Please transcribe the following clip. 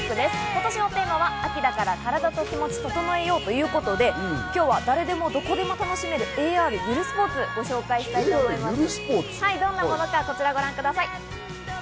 今年のテーマは秋だから、カラダと気持ち整えようということで、今日は誰でもどこでも楽しめる、ＡＲゆるスポーツをご紹介したいと思います。